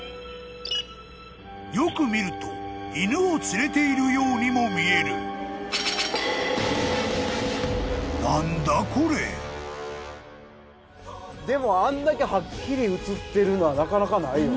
［よく見ると犬を連れているようにも見える］でもあんだけはっきり写ってるのはなかなかないよね。